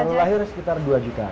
baru lahir sekitar dua juta